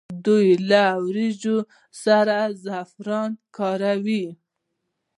دوی له وریجو سره زعفران کاروي.